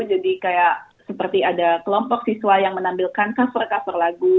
jadi kayak seperti ada kelompok siswa yang menampilkan cover cover lagu